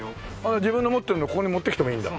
自分が持ってるのここに持ってきてもいいんだ。